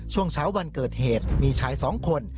ช่วงเช้าวันเกิดเหตุมีชาย๒คน